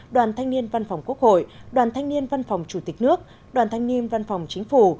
đoàn thanh niên văn phòng quốc hội đoàn thanh niên văn phòng chủ tịch nước đoàn thanh niên văn phòng chính phủ